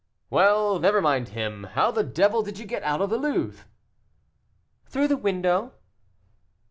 "Well, never mind him. How the devil did you get out of the Louvre?" "Through the window."